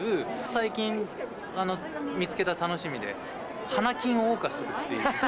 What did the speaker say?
最近見つけた楽しみで花金を謳歌するっていう。